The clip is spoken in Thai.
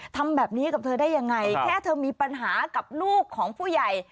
ทำแบบนี้กับเธอได้ยังไงแค่เธอมีปัญหากับลูกของผู้ใหญ่